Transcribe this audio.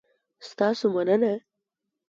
ستاسو مننه؟